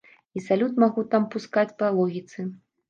І салют магу там пускаць па логіцы.